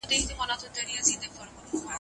ښه ذهنیت خپګان نه خپروي.